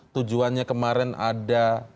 tujuannya kemarin ada